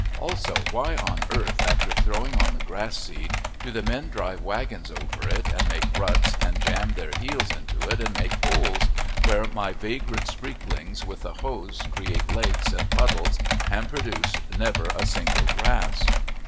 Also, why on earth, after throwing on the grass seed, do the men drive wagons over it and make ruts and jam their heels into it and make holes, where my vagrant sprinklings with the hose create lakes and puddles and produce never a single grass?